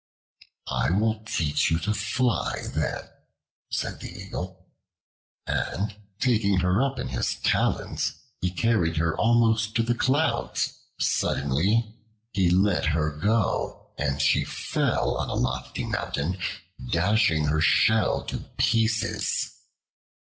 "I will teach you to fly then," said the Eagle; and taking her up in his talons he carried her almost to the clouds suddenly he let her go, and she fell on a lofty mountain, dashing her shell to pieces.